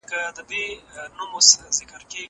زه به کتابتون ته راغلی وي!